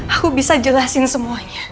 aku bisa jelasin semuanya